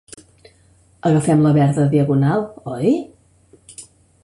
Agafem la verda a Diagonal, oi?